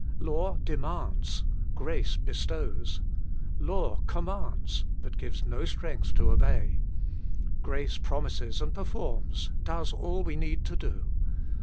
Law demands ; grace bestows. Law commands, but gives no strength to obey ; grace promises, and performs, does all we need to do.